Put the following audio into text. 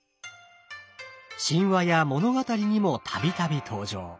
神話や物語にも度々登場。